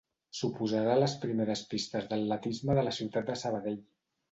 Suposarà les primeres pistes d'atletisme de la ciutat de Sabadell.